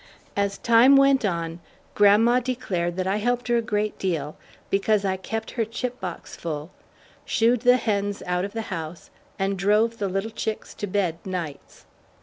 '" As time went on, grandma declared that I helped her a great deal because I kept her chip box full, shooed the hens out of the house, brought in the eggs, and drove the little chicks to bed, nights.